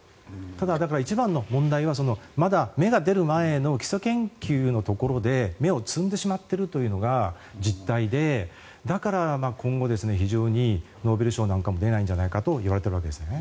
だから、一番の問題はまだ芽が出る前の基礎研究のところで芽を摘んでしまっているというのが実態でだから、今後非常にノーベル賞なんかも出ないんじゃないかといわれているわけですね。